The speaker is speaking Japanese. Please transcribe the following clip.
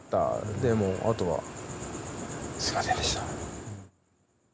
でも、あとは、すみませんでした。